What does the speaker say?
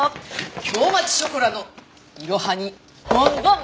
京町ショコラのいろはにぼんぼん！